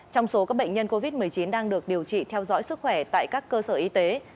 trong số các bệnh nhân covid một mươi chín đang được điều trị theo dõi sức khỏe tại các cơ sở y tế